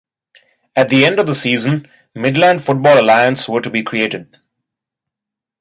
At the end of the season Midland Football Alliance were to be created.